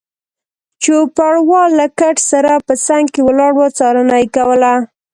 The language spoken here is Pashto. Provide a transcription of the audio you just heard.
چوپړوال له کټ سره په څنګ کې ولاړ و، څارنه یې کوله.